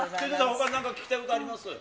ほかに何か聞きたいことあります？